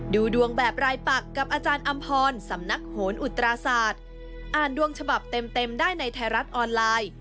ดูดวงแบบรายปักกับอาจารย์อำพรสำนักโหนอุตราศาสตร์อ่านดวงฉบับเต็มเต็มได้ในไทยรัฐออนไลน์